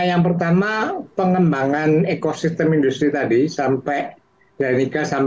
nah yang pertama pengembangan ekosistem industri tadi ogeneousin a thank the battle in the basic itu harus dilakukan gitu ya secara bertahap tadi